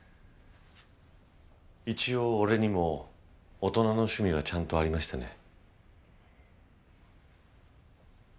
一応俺にも大人の趣味がちゃんとありましてね。